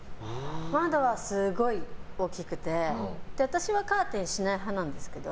窓はすごい大きくて私はカーテンしない派なんですけど。